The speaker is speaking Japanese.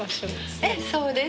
ええそうです。